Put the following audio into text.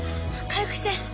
回復して。